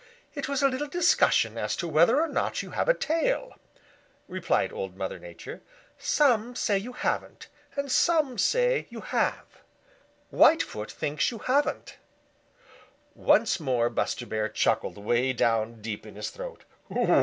"It was a little discussion as to whether or not you have a tail," replied Old Mother Nature. "Some say you have, and some say you haven't. Whitefoot thinks you haven't." Once more Buster Bear chuckled way down deep in his throat.